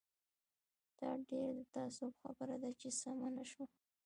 دا ډېر د تاسف خبره ده چې سمه نه شوه.